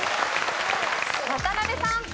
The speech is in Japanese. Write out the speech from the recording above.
渡辺さん。